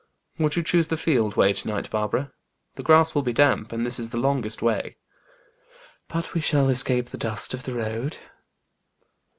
"Would you choose the field way to night, Barbara? The grass will be damp, and this is the longest way." "But we shall escape the dust of the road."